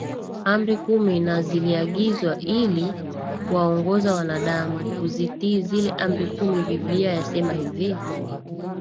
Amri kumi na ziliagizwa ili kuwaongoza wanadamu kuzitii zile Amri Kumi Biblia yasema hivi